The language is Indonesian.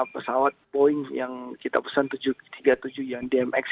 pesawat boeing yang kita pesan tujuh ratus tiga puluh tujuh yang dmx